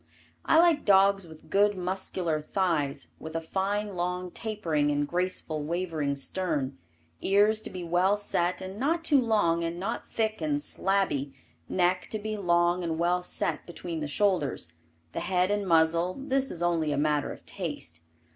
I like dogs with good muscular thighs with a fine long tapering and graceful wavering stern, ears to be well set and not too long and not thick and slabby, neck to be long and well set between the shoulders, the head and muzzle, this is only a matter of taste.